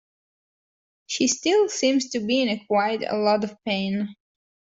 She still seems to be in quite a lot of pain.